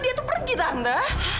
dia tuh pergi tante